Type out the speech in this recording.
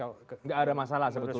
tidak ada masalah sebetulnya